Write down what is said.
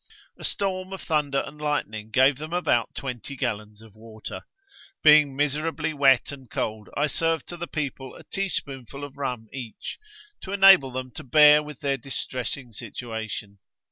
A storm of thunder and lightning gave them about twenty gallons of water. 'Being miserably wet and cold, I served to the people a teaspoonful of rum each, to enable them to bear with their distressing situation.